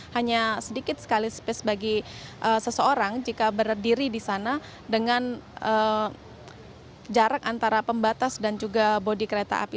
hanya sedikit sekali space bagi seseorang jika berdiri di sana dengan jarak antara pembatas dan juga bodi kereta api